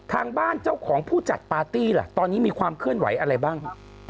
ทางบ้านเจ้าของผู้จัดปาร์ตี้ล่ะตอนนี้มีความเคลื่อนไหวอะไรบ้าง